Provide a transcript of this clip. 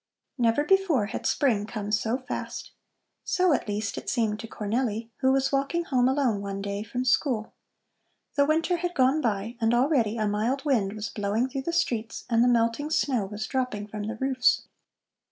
Never before had spring come so fast. So at least it seemed to Cornelli, who was walking home alone one day from school. The winter had gone by and already a mild wind was blowing through the streets, and the melting snow was dropping from the roofs.